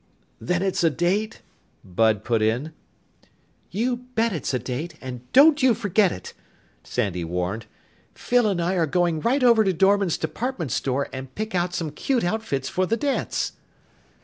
"Then it's a date?" Bud put in. "You bet it's a date, and don't you forget it!" Sandy warned. "Phyl and I are going right over to Dorman's Department Store and pick out some cute outfits for the dance!"